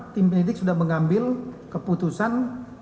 tim penyidik sudah mengambil keputusan